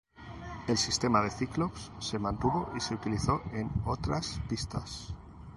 El sistema de Cyclops se mantuvo y se utilizó en otras pistas.